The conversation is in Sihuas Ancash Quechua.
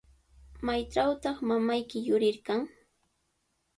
¿Maytrawtaq mamayki yurirqan?